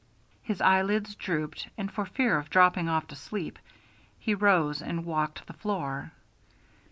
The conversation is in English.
His eyelids drooped, and for fear of dropping off to sleep he rose and walked the floor.